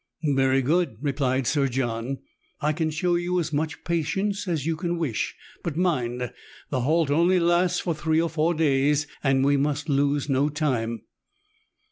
" Very good," replied Sir John, " I can show you as much patience as you can wish ; but mind, the halt only lasts for three or four days, and we must lose no time."